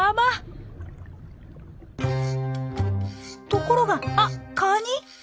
ところがあカニ？